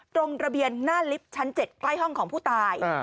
โรงเรียนหน้าลิฟท์ชั้น๗ใกล้ห้องของผู้ตาย